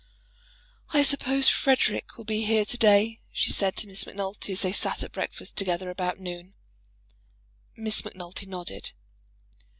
"I suppose Frederic will be here to day," she said to Miss Macnulty, as they sat at breakfast together about noon. Miss Macnulty nodded.